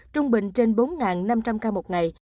trung bình trên bốn năm trăm linh ca một ngày